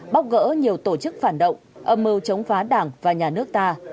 bóc gỡ nhiều tổ chức phản động âm mưu chống phá đảng và nhà nước ta